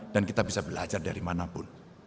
dan kita bisa belajar dari mana pun